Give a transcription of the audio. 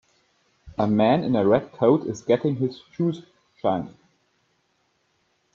A man in a red coat is getting his shoes shined.